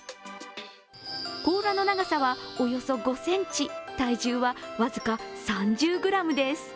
甲羅の長さはおよそ５ｃｍ、体重は僅か３０ｇです。